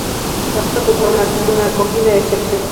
La obra tuvo una acogida excepcional.